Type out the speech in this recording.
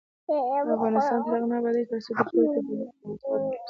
افغانستان تر هغو نه ابادیږي، ترڅو پوهې ته د دولت لومړیتوب ورکړل نشي.